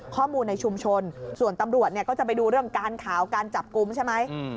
ข้อมูลในชุมชนส่วนตำรวจเนี่ยก็จะไปดูเรื่องการข่าวการจับกลุ่มใช่ไหม